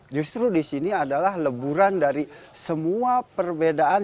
justru di sini adalah leburan dari semua perbedaan